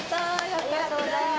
ありがとうございます。